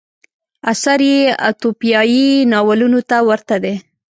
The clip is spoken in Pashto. اثر یې اتوپیایي ناولونو ته ورته دی.